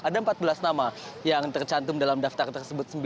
ada empat belas nama yang tercantum dalam daftar tersebut